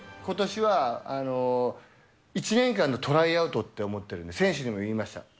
ことしは一年間のトライアウトって思ってるって、選手にも言いました。